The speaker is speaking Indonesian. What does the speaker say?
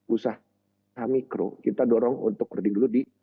usaha micro kita dorong untuk kerendik dulu di e commerce